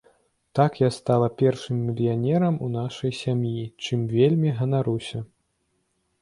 Так я стала першым мільянерам у нашай сям'і, чым вельмі ганаруся.